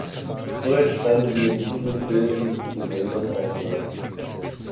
So entstanden die in diesem Film zu sehenden Aufnahmen.